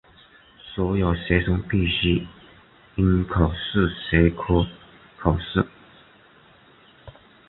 所有学生必须应考数学科考试。